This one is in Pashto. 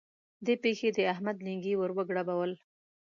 دې پېښې د احمد لېنګي ور وګړبول.